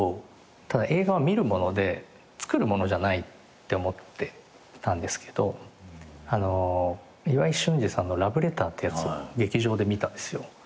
ただ映画は見るもので作るものじゃないって思っていたんですけど岩井俊二さんの『ＬｏｖｅＬｅｔｔｅｒ』ってやつを劇場で見たんですよ。